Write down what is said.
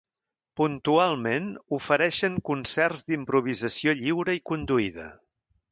Puntualment ofereixen concerts d'improvisació lliure i conduïda.